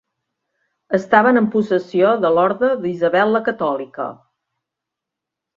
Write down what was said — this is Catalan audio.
Estava en possessió de l'Orde d'Isabel la Catòlica.